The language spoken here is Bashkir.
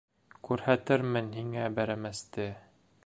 — Күрһәтермен һиңә бәрәмәсте!